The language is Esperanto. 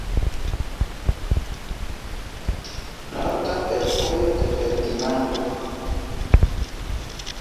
Norda fervojo de Ferdinando.